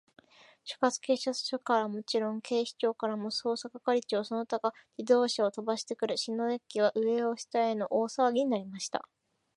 所轄警察署からはもちろん、警視庁からも、捜査係長その他が自動車をとばしてくる、篠崎家は、上を下への大さわぎになりました。